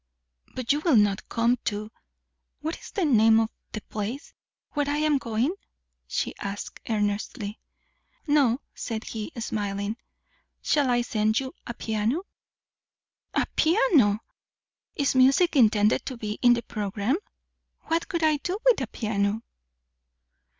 "But you will not come to what is the name of the place where I am going?" she asked earnestly. "No," said he, smiling. "Shall I send you a piano?" "A piano! Is music intended to be in the programme? What should I do with a piano?"